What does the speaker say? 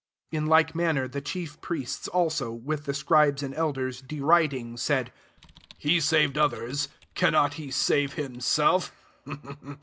41 In like manner the chief priests alsoi with the scribes and elders, deriding, said, 42 <'He ^aved others; cannot h^ save himself